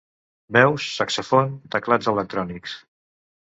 Veus, saxòfon, teclats electrònics.